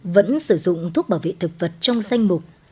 vẫn sử dụng thuốc bảo vệ thực vật trong danh mục